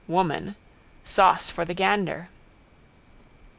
Woman. Sauce for the gander.